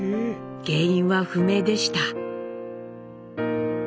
原因は不明でした。